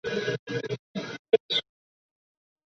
战后废寺。